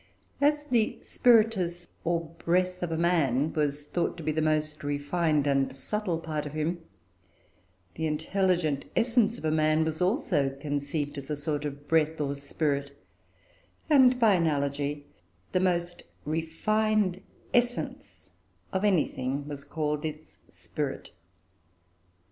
As the "spiritus," or breath, of a man was thought to be the most refined and subtle part of him, the intelligent essence of man was also conceived as a sort of breath, or spirit; and, by analogy, the most refined essence of anything was called its "spirit."